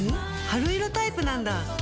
春色タイプなんだ。